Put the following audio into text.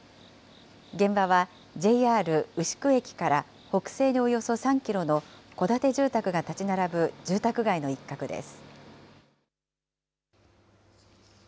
現場はＪＲ牛久駅から北西におよそ３キロの、戸建て住宅が建ち並ぶ住宅街の一角です。